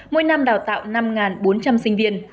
mỗi năm đào tạo năm bốn trăm linh sinh viên